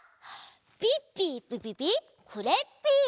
ピッピピピピクレッピー！